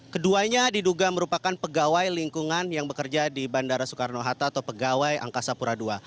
keduanya diduga merupakan pegawai lingkungan yang bekerja di bandara soekarno hatta atau pegawai angkasa pura ii